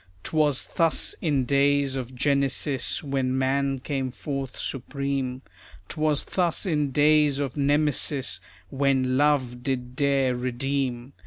'Twas thus in days of Genesis, When man came forth supreme. 'Twas thus in days of Nemesis, When Love did dare redeem.